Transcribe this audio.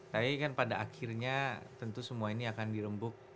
tapi kan pada akhirnya tentu semua ini akan dirembuk